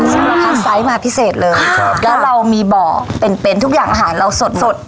ซึ่งเราคัดไซส์มาพิเศษเลยครับแล้วเรามีบ่อเป็นเป็นทุกอย่างอาหารเราสดสด